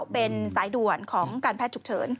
เป็นสายด่วนของการแพทย์ฉุกเฉิน